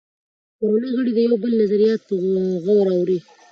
کورنۍ غړي د یو بل نظریات په غور اوري